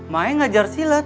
maik ngajar silet